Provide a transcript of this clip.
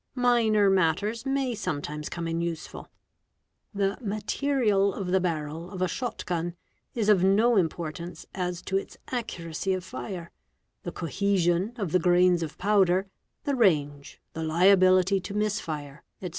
Minor matters may some _ times come in useful. The material of the barrel of a shot gun is of no importance as to its accuracy of fire, the cohesion of the grains of powder, — the range, the liability to misfire, &c.